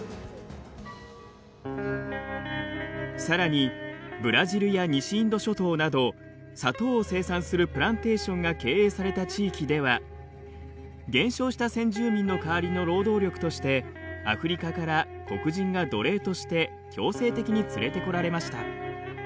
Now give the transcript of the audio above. さらにブラジルや西インド諸島など砂糖を生産するプランテーションが経営された地域では減少した先住民の代わりの労働力としてアフリカから黒人が奴隷として強制的に連れてこられました。